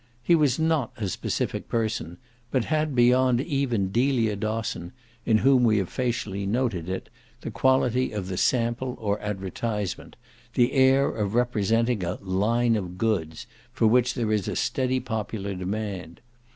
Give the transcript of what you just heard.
He was not a specific person, but had beyond even Delia Dosson, in whom we have facially noted it, the quality of the sample or advertisement, the air of representing a "line of goods" for which there is a steady popular demand.